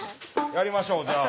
やりましょうじゃあ。